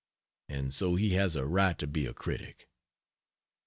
And so he has a right to be a critic.